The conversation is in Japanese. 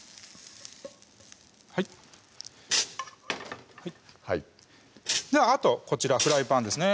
はいはいはいあとこちらフライパンですね